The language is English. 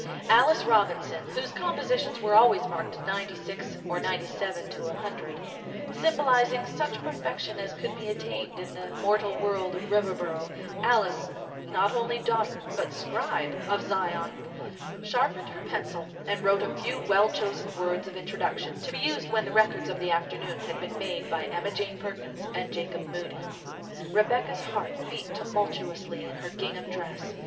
Alice Robinson, whose compositions were always marked 96 or 97, 100 symbolizing such perfection as could be attained in the mortal world of Riverboro, Alice, not only Daughter, but Scribe of Zion, sharpened her pencil and wrote a few well chosen words of introduction, to be used when the records of the afternoon had been made by Emma Jane Perkins and Jacob Moody. Rebecca's heart beat tumultuously under her gingham dress.